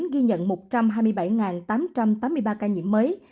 ghi nhận một trăm hai mươi bảy tám trăm tám mươi ba ca nhiễm mới